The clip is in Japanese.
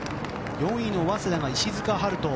４位の早稲田、石塚陽士。